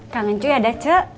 kangen cuy ada c